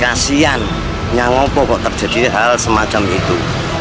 kasian nyangopok kok terjadi hal semacam itu